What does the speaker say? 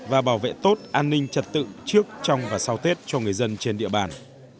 và bảo vệ tốt an ninh trật tự trước trong và sau tết cho người dân trên địa bàn